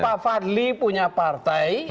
pak fadli punya partai